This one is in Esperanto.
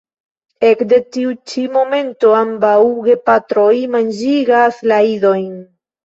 Ekde tiu ĉi momento ambaŭ gepatroj manĝigas la idojn.